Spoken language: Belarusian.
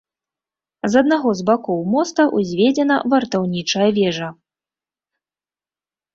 З аднаго з бакоў моста ўзведзена вартаўнічая вежа.